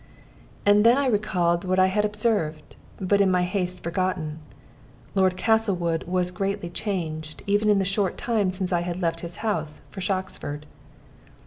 And then I recalled what I had observed, but in my haste forgotten Lord Castlewood was greatly changed even in the short time since I had left his house for Shoxford.